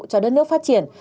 cho đất nước phát triển